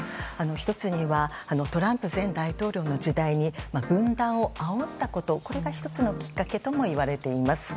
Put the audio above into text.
１つにはトランプ前大統領の時代に分断をあおったことが１つのきっかけともいわれています。